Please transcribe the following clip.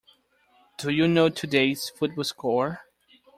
Do you know today's football score?